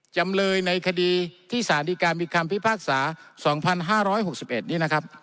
จำเลยในคดีที่สารดีการมีคำพิพากษา๒๕๖๑นี้นะครับ